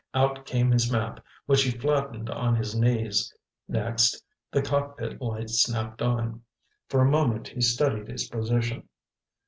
Out came his map, which he flattened on his knees. Next, the cockpit light snapped on. For a moment he studied his position.